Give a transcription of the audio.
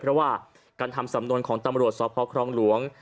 เพราะว่าการทำสำนวนของตำรวจสพครองหลวง